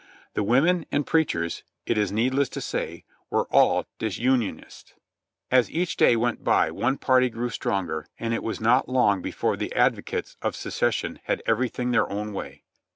The women and preachers, it is needless to say, were all disunionists. As each day went by one party grew stronger, and it was not long before the advocates of secession had ever^'thing their own way.